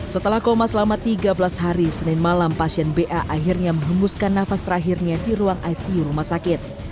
setelah koma selama tiga belas hari senin malam pasien ba akhirnya menghembuskan nafas terakhirnya di ruang icu rumah sakit